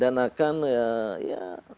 dan akan ya